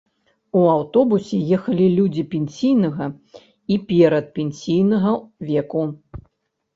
У аўтобусе ехалі людзі пенсійнага і перадпенсійнага веку.